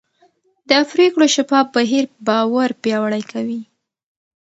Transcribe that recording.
د پرېکړو شفاف بهیر باور پیاوړی کوي